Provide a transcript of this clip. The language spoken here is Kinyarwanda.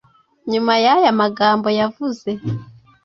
Nyuma y’aya amagambo yavuze